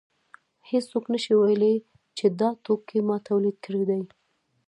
هېڅوک نشي ویلی چې دا توکی ما تولید کړی دی